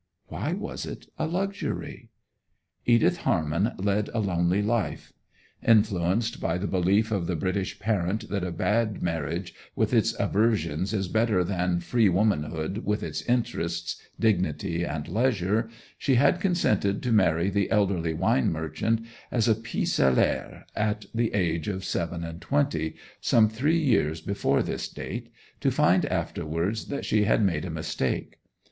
Why was it a luxury? Edith Harnham led a lonely life. Influenced by the belief of the British parent that a bad marriage with its aversions is better than free womanhood with its interests, dignity, and leisure, she had consented to marry the elderly wine merchant as a pis aller, at the age of seven and twenty—some three years before this date—to find afterwards that she had made a mistake.